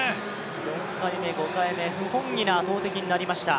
４回目、５回目、不本意な投てきになりました。